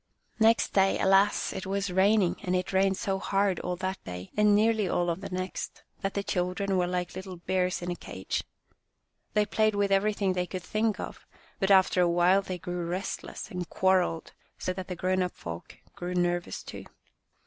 Next day, alas ! it was raining, and it rained so hard all that day, and nearly all of the next, that the children were like little bears in a cage. They played with everything they could think of, but after awhile they grew restless and quarrelled so that the grown up folk grew nervous, too.